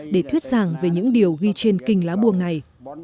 để thuyết giảng về những điều ghi trên kinh lá buông này